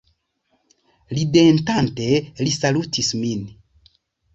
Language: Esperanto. Ridetante li salutis min.